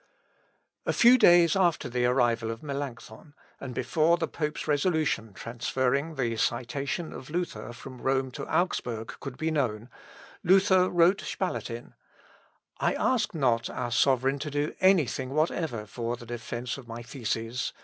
A few days after the arrival of Melancthon, and before the pope's resolution transferring the citation of Luther from Rome to Augsburg could be known, Luther wrote Spalatin: "I ask not our sovereign to do any thing whatever for the defence of my theses.